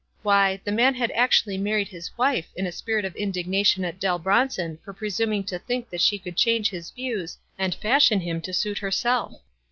Why, the man had actually married his wife in a spirit of indignation at Dell Bronson for presuming to think that she could change his views, and fashion him to suit herself.